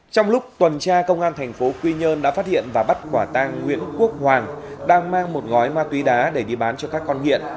trong lúc tuần tra công an thành phố quy nhơn đã phát hiện và bắt quả tang nguyễn quốc hoàng đang mang một gói ma túy đá để đi bán cho các con nghiện